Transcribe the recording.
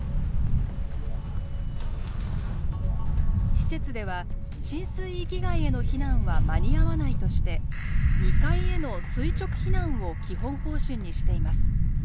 施設では浸水域外への避難は間に合わないとして２階への「垂直避難」を基本方針にしています。